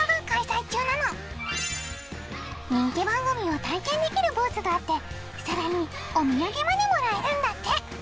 人気番組を体験できるブースがあってさらにお土産までもらえるんだって。